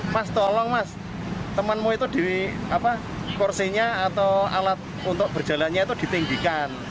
mas tolong mas temenmu itu di kursinya atau alat untuk berjalannya itu ditinggikan